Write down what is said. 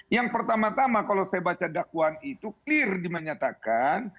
yang pertama tama kalau saya baca dakwaan itu clear dimennyatakan